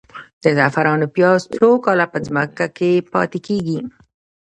د زعفرانو پیاز څو کاله په ځمکه کې پاتې کیږي؟